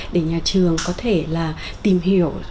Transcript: để nhà trường có thể là tìm hiểu